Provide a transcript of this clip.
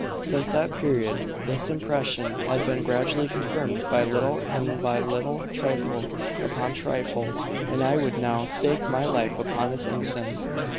Since that period this impression has been gradually confirmed by little and by little, trifle upon trifle and I would now stake my life upon his innocence.